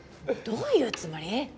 どういうつもり？